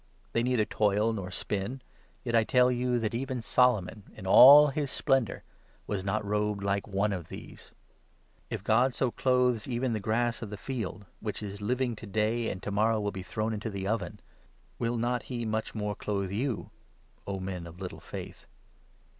They neither toil nor spin ; yet I tell you that even Solomon in 29 all his splendour was not robed like one of these. If God 30 so clothes even the grass of the field, which is living to day and to morrow will be thrown into the oven, will not he much more clothe you, O men of little faith